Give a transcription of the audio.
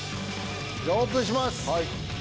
じゃあオープンします！